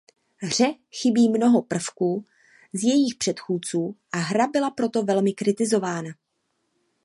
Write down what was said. Hře chybí mnoho prvků z jejích předchůdců a hra byla proto velmi kritizována.